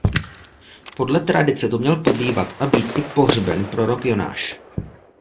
Podle tradice tu měl pobývat a být i pohřben prorok Jonáš.